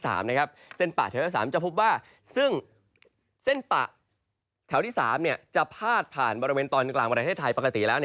เส้นปะแถวที่๓จะพบว่าซึ่งเส้นปะแถวที่๓จะพาดผ่านบริเวณตอนกลางประเทศไทยปกติแล้ว